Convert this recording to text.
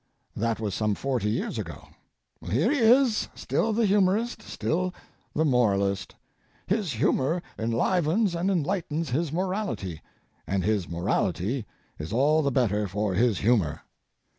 That was some forty years ago. Here he is, still the humorist, still the moralist. His humor enlivens and enlightens his morality, and his morality is all the better for his humor.